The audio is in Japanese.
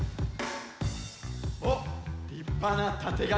おっりっぱなたてがみ。